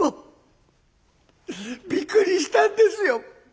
「びっくりしたんですよ。